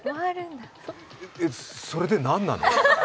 えっ、それで何なの？